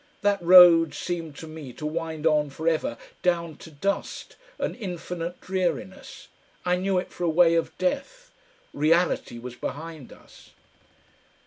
That road seemed to me to wind on for ever down to dust and infinite dreariness. I knew it for a way of death. Reality was behind us.